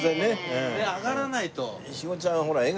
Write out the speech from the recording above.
揚がらないと。